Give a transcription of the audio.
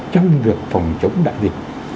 trong việc phòng chống đại dịch